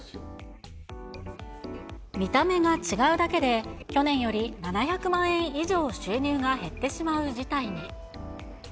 見た目が違うだけで、去年より７００万円以上収入が減ってしまう事態に。